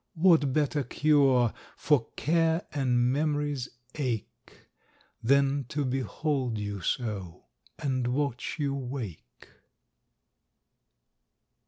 What better cure For care and memory's ache Than to behold you so and watch you wake!